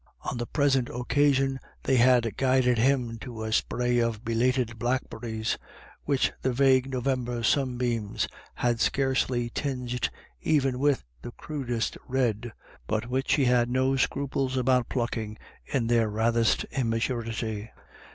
On the present occasion they had guided him to a spray of belated blackberries, which the vague November sunbeams had scarcely tinged even with the crudest red, but which he had no scruples about plucking in their rathest im maturity.